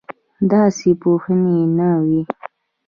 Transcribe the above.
داسې پوهنې نه وې.